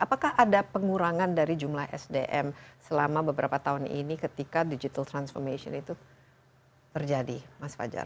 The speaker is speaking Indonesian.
apakah ada pengurangan dari jumlah sdm selama beberapa tahun ini ketika digital transformation itu terjadi mas fajar